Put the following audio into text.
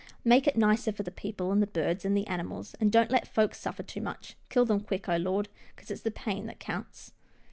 Make it nicer for the people, and the birds, and the animals, and don't let folks suffer too much. Kill them quick, oh Lord, 'cause it's the pain that counts."